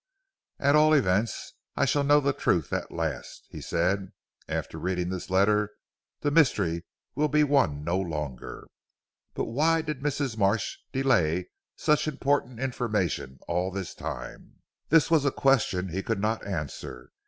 "At all events I shall know the truth at last," he said. "After reading this letter, the mystery will be one no longer. But why did Mrs. Marsh delay such important information all this time?" This was a question he could not answer.